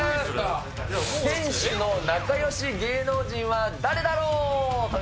店主の仲よし芸能人は誰だろう。